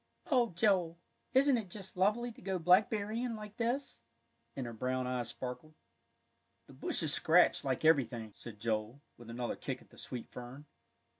"Oh, Joel, isn't it just lovely to go blackberrying like this!" and her brown eyes sparkled. "The bushes scratch like everything," said Joel, with another kick at the sweet fern.